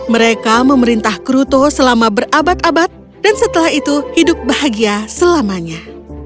mereka memerintah kruto selama berabad abad dan setelah itu hidup bahagia selamanya